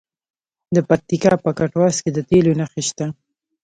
د پکتیکا په کټواز کې د تیلو نښې شته.